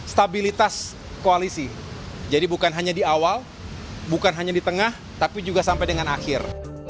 stabilitas koalisi jadi bukan hanya di awal bukan hanya di tengah tapi juga sampai dengan akhir